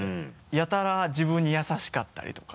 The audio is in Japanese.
やたら自分に優しかったりとか。